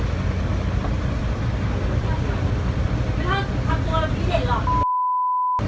ก็ไม่มีเวลาให้กลับมาที่นี่